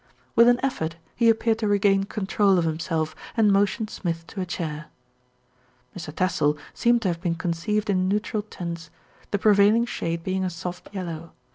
With an effort he appeared to regain control of him self and motioned Smith to a chair. Mr. Tassell seemed to have been conceived in neu tral tints, the prevailing shade being a soft yellow.